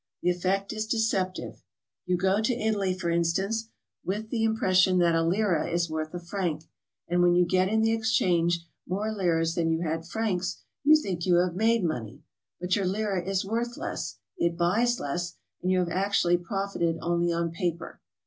The effect is deceptive. You go to Italy, for instance, with the im pression that a lira is Worth a franc, and w'hen you get in the exchange more liras than you had francs, you think you 'have made money, but your lira is worth less, it buys less, and you have actually profited only on paper.